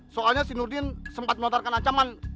soalnya si nurdin sempat melontarkan ancaman